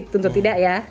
tentu tidak ya